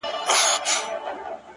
ياره وس دي نه رسي ښكلي خو ســرزوري دي-